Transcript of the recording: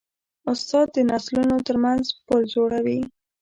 استاد د نسلونو ترمنځ پل جوړوي.